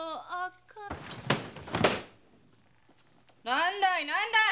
何だい何だい！